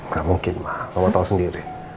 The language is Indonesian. gak mungkin ma mama tau sendiri